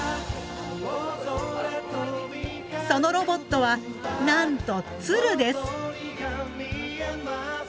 そのロボットはなんと鶴です！